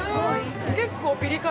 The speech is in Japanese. ◆結構ピリ辛。